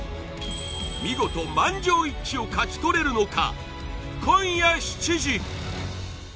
見事満場一致を勝ち取れるのか！？